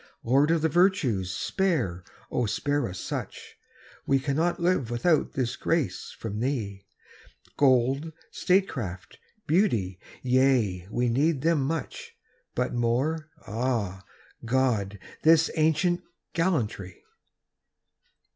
Lord of the virtues, spare, spare us such ! We cannot live without this grace from thee ; Gold, statecraft, beauty — ^yea, we need them much, But more — ^ah, God! — ^this ancient gallantry!